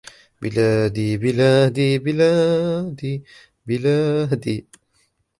بِلَادِي بِلَادِي بِلَادِي بِلَادِي